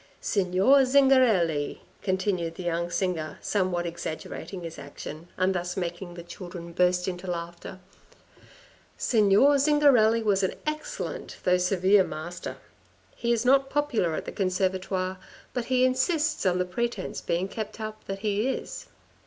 " Signor Zingarelli," continued the young singer, somewhat exaggerating his action, and thus making the children burst into laughter, "Signor Zingarelli was an excellent though severe master. He is, not popular at the Conservatoire, but he insists on the pretence being kept up that he is.